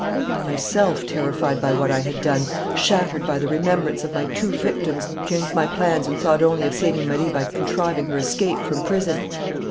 "I myself, terrified by what I had done, shattered by the remembrance of my two victims, changed my plans and thought only of saving Marie by contriving her escape from prison....